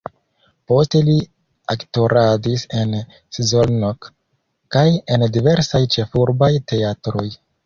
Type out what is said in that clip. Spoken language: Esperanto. Poste li aktoradis en Szolnok kaj en diversaj ĉefurbaj teatroj.